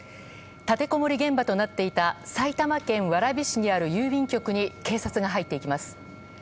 立てこもり現場となっていた埼玉県蕨市にある郵便局に警察が入っていきます。